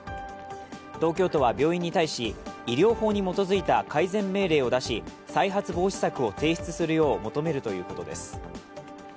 東京都は病院に対し、医療法に基づいた改善命令を出し再発防止策を提出するよう求めるということです。